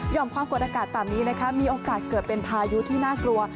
ความกดอากาศต่ำนี้นะคะมีโอกาสเกิดเป็นพายุที่น่ากลัว